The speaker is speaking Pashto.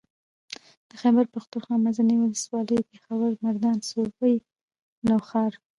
د خېبر پښتونخوا منځنۍ ولسوالۍ پېښور مردان صوابۍ نوښار